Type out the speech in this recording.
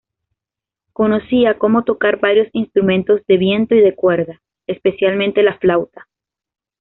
Conocía como tocar varios instrumentos de viento y de cuerda, especialmente la flauta.